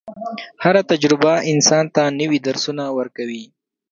هره تجربه انسان ته نوي درسونه ورکوي.